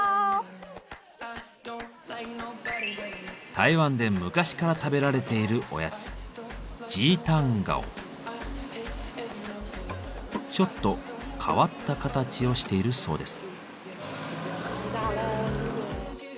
台湾で昔から食べられているおやつちょっと変わった形をしているそうです。